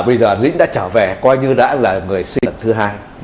bây giờ dũng đã trở về coi như đã là người sinh lần thứ hai